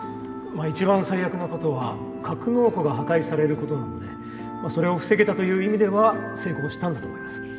まあ一番最悪なことは格納庫が破壊されることなのでまあそれを防げたという意味では成功したんだと思いますね。